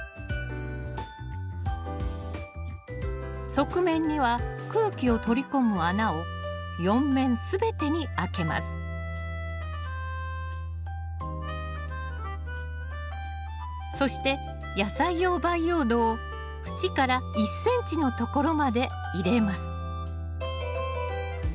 側面には空気を取り込む穴を４面全てにあけますそして野菜用培養土を縁から１ｃｍのところまで入れます